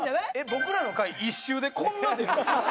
僕らの回１周でこんな出るんすか？